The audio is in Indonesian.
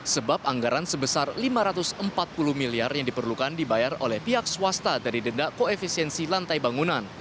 sebab anggaran sebesar lima ratus empat puluh miliar yang diperlukan dibayar oleh pihak swasta dari denda koefisiensi lantai bangunan